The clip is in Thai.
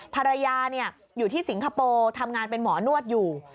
ภรรยาอยู่ที่สิงคโปร์ทำงานเป็นหมอนวดอยู่